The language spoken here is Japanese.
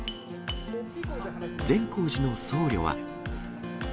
善光寺の僧侶は。